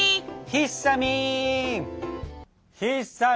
ひっさみん。